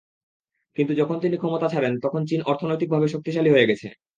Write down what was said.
কিন্তু যখন তিনি ক্ষমতা ছাড়েন, তখন চীন অর্থনৈতিকভাবে শক্তিশালী হয়ে গেছে।